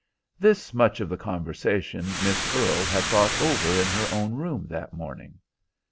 This much of the conversation Miss Earle had thought over in her own room that morning.